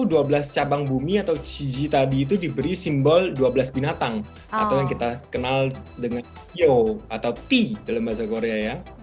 nah kebetulan waktu itu tadi enam belas cabang bumi atau cheongganjiji itu diberi simbol dua belas binatang atau yang kita kenal dengan emoc john atau te langit dalam bahasa korea ya